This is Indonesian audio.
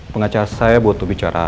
pengacara saya butuh bicara